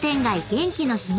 元気の秘密